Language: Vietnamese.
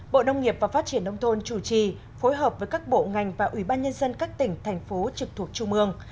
bộ nông nghiệp và phát triển nông thôn chủ trì phối hợp với các bộ ngành và ủy ban nhân dân các tỉnh thành phố trực thuộc trung ương